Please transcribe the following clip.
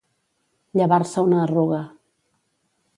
Llevar-se una arruga.